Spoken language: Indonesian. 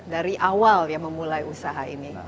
dari awal ya memulai usaha ini